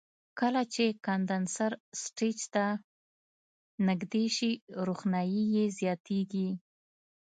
کله چې کاندنسر سټیج ته نږدې شي روښنایي یې زیاتیږي.